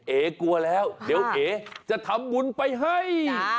เอ๋กลัวแล้วเดี๋ยวเอ๋จะทำบุญไปให้